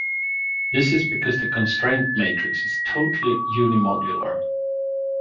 This is because the constraint matrix is totally unimodular.